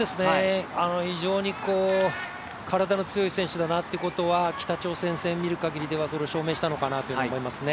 非常に体の強い選手だなっていうことは、北朝鮮戦を見るかぎり、それを証明したのかなと感じますね。